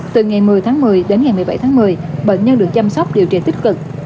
từ ngày một mươi tháng một mươi đến ngày một mươi bảy tháng một mươi bệnh nhân được chăm sóc điều trị tích cực